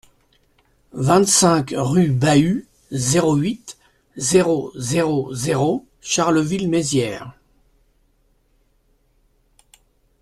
vingt-cinq rue Bahut, zéro huit, zéro zéro zéro Charleville-Mézières